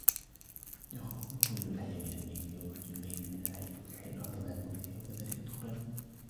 يخرج الحي من الميت ويخرج الميت من الحي ويحيي الأرض بعد موتها وكذلك تخرجون